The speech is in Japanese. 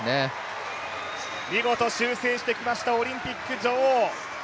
見事修正してきましたオリンピック女王。